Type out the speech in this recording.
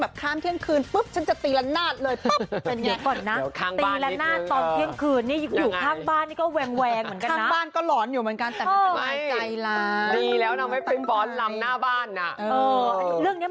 ทัดาที่อยู่ข้างหน้าสตูเรามีใครเก็บไปยัง